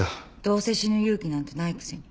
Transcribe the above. どうせ死ぬ勇気なんてないくせに。